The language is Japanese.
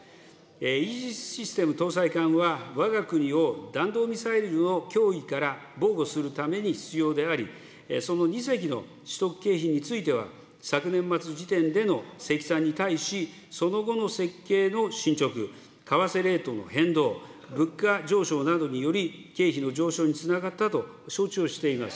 イージス・システム搭載艦は、わが国を弾道ミサイルの脅威から防護するために必要であり、その２隻の取得経費については、昨年末時点での積算に対し、その後の設計の進捗、為替レートの変動、物価上昇などにより、経費の上昇につながったと承知をしています。